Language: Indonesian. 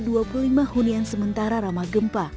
tanda ceria ini melengkapi dua puluh lima hunian sementara ramah gempa